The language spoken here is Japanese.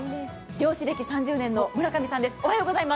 漁師歴３０年の村上さんです。